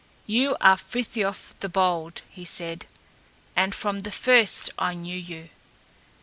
"You are Frithiof the Bold," he said, "and from the first I knew you.